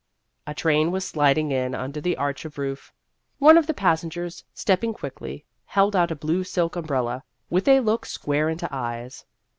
A train was sliding in under the arch of roof. One of the passengers, stepping quickly, held out a blue silk umbrella, with a look square into eyes.